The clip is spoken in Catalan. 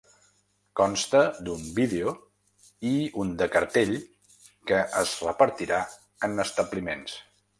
Consta d’un vídeo i un de cartell que es repartirà en establiments.